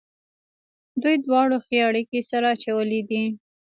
دوی دواړو ښې اړېکې سره اچولې دي.